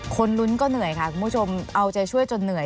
คนลุ้นก็เหนื่อยค่ะคุณผู้ชมเอาใจช่วยจนเหนื่อย